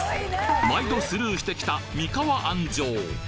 毎度スルーしてきた三河安城！